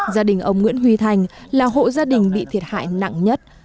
gia đình ông nguyễn huy thành là hộ gia đình bị thiệt hại nặng nhất